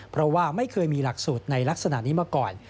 เพราะว่าไม่เคยมีหลักสูตรในลักษณะนี้มาก่อน